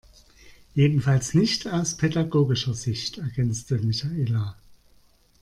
Jedenfalls nicht aus pädagogischer Sicht, ergänzte Michaela.